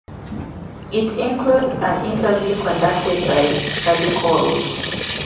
It includes an interview conducted by Sadie Coles.